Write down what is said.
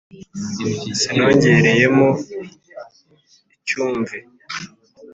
Sinongereyemo icyumvi